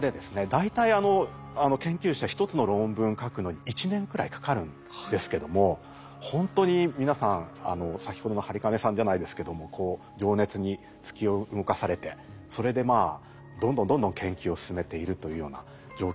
大体研究者１つの論文書くのに１年くらいかかるんですけどもほんとに皆さん先ほどの播金さんじゃないですけどもこう情熱に突き動かされてそれでまあどんどんどんどん研究を進めているというような状況で。